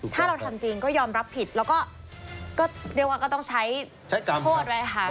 ถ้าเราทำจริงก็ยอมรับผิดแล้วก็เรียกว่าก็ต้องใช้โทษไว้ค่ะ